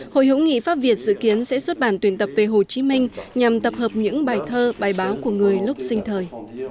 hội hữu nghị pháp việt dự kiến sẽ xuất bản tuyển tập về hồ chí minh nhằm tập hợp những bài thơ bài báo của người lúc sinh thời